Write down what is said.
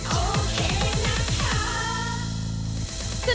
โอเคนะคะ